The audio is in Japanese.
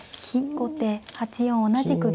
後手８四同じく玉。